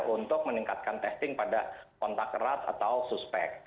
untuk meningkatkan testing pada kontak erat atau suspek